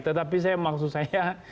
tetapi maksud saya